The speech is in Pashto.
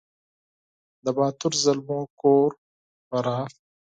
د باتور زلمو کور فراه